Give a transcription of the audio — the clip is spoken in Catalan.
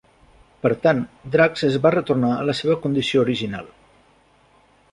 Per tant, Drax es va retornar a la seva condició original.